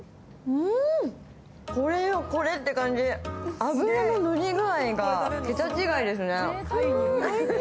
うん、これよこれって感じで、脂ののり具合が桁違いですね。